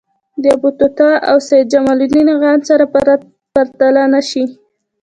ابن بطوطه او سیدجماالدین افغان سره پرتله نه شي.